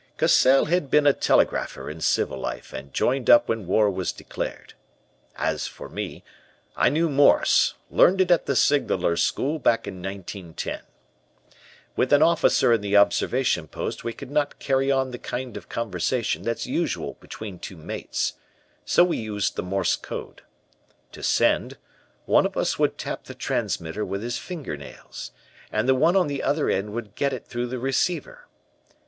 "Cassell had been a telegrapher in civil life and joined up when war was declared. As for me, I knew Morse, learned it at the Signaler's School back in 1910. With an officer in the observation post, we could not carry on the kind of conversation that's usual between two mates, so we used the Morse code. To send, one of us would tap the transmitter with his finger nails, and the one on the other end would get it through the receiver.